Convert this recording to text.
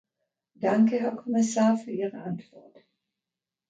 Danke, Herr Kommissar, für Ihre Antwort.